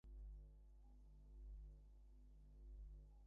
অন্নদাবাবু কহিলেন, ঠিক কথা, সে তো বলাই কর্তব্য।